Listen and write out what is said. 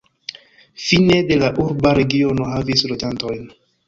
Fine de la urba regiono havis loĝantojn.